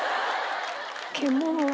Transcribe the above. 獣は。